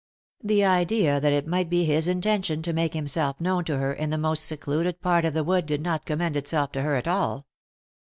The idea that it might be his intention to make himself known to her in the most secluded part of the wood did not commend itself to her at all.